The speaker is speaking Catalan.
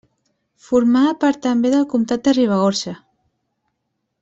Formava part també del Comtat de Ribagorça.